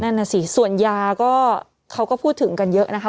นั่นน่ะสิส่วนยาก็เขาก็พูดถึงกันเยอะนะคะ